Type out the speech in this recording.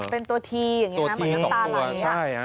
เป็นตัวทีอย่างนี้นะเหมือนน้ำตาไหล